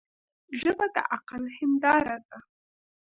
ژبه د عقل هنداره ده